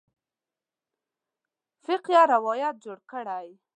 فقیه روایت جوړ کړی.